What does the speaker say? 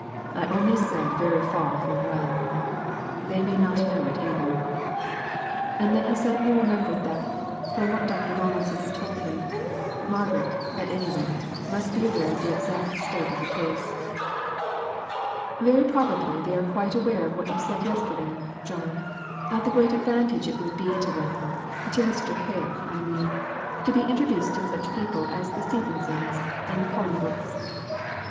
"I only said far from well. They may not know it either." And then he suddenly remembered that, from what Dr. Donaldson had told him, Margaret, at any rate, must be aware of the exact state of the case. "Very probably they are quite aware of what you said yesterday, John of the great advantage it would be to them to Mr. Hale, I mean, to be introduced to such people as the Stephenses and the Collingbrooks."